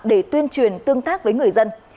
để tuyên truyền tương tác với người dân